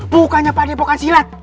bukannya pada pakaian silat